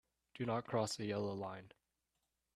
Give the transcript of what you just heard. Do not cross the yellow line.